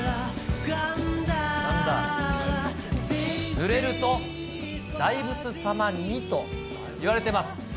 ぬれると大仏様にといわれてます。